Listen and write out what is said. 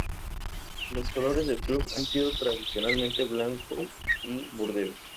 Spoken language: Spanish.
Los colores del club han sido tradicionalmente blanco y burdeos.